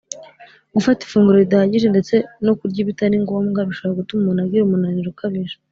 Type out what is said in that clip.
Gufata ifunguro ridahagije ndetse no kurya ibitari ngombwa bishobora gutuma umuntu agira umunaniro ukabije